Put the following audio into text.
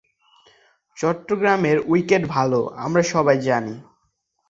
চট্টগ্রামের উইকেট ভালো, আমরা সবাই জানি।